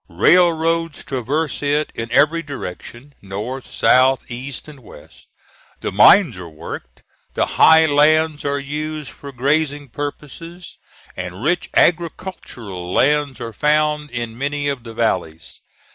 Railroads traverse it in every direction, north, south, east, and west. The mines are worked. The high lands are used for grazing purposes, and rich agricultural lands are found in many of the valleys.